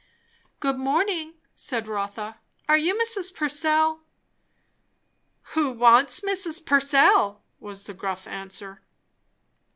"Good morning!" said Rotha. "Are you Mrs. Purcell?" "Who wants Mrs. Purcell?" was the gruff answer.